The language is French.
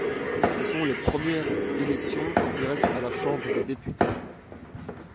Ce sont les premières élections directes à la Chambre des députés.